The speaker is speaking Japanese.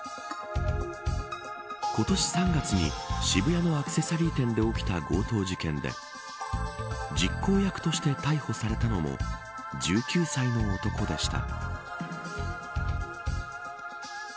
今年３月に、渋谷のアクセサリー店で起きた強盗事件で実行役として逮捕されたのも１９歳の男でした。